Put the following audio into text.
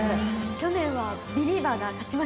去年はビリーバーが勝ちましたよね。